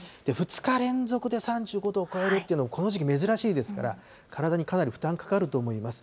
２日連続で３５度を超えるっていうのはこの時期、珍しいですから、体にかなり負担かかると思います。